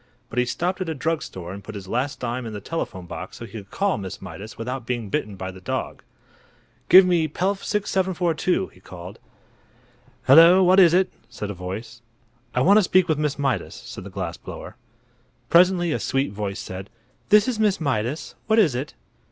But he stopped at a drug store and put his last dime in the telephone box so he could talk to Miss Mydas without being bitten by the dog. "Give me Pelf 6742!" he called. "Hello! What is it?" said a voice. "I want to speak with Miss Mydas," said the glass blower. Presently a sweet voice said: "This is Miss Mydas. What is it?"